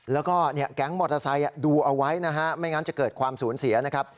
แล้วก็แก๊งมอเตอร์ไซค์ดูเอาไว้นะฮะไม่งั้นจะเกิดความสูญเสียนะครับ